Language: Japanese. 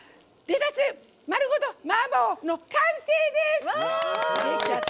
「レタス丸ごとマーボー」の完成です！